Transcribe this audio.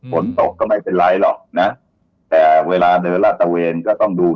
ฝนตกก็ไม่เป็นไรหรอกนะแต่เวลาเดินลาดตะเวนก็ต้องดู